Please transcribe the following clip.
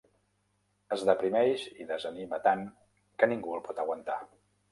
Es deprimeix i desanima tant que ningú el pot aguantar.